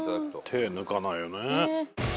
手抜かないよね。